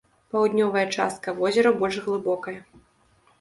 Паўднёвая частка возера больш глыбокая.